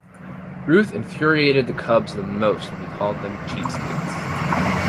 Ruth infuriated the Cubs the most when he called them cheapskates.